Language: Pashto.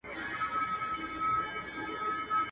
او د قبرونو پر کږو جنډيو.